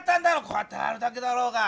こうやってやるだけだろうが。